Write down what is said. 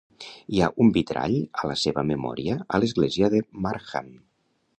Hi ha un vitrall a la seva memòria a l'Església de Markham.